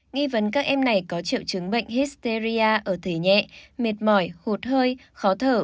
nghi vấn các em này có triệu chứng bệnh histeria ở thể nhẹ mệt mỏi hụt hơi khó thở